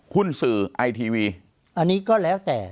หุ้นสื่อไอทีวีอันนี้ก็แล้วแต่